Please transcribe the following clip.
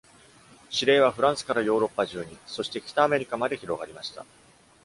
指令はフランスからヨーロッパ中に、そして北アメリカまで広がりました。